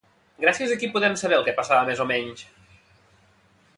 Gràcies a qui podem saber el que passava més o menys?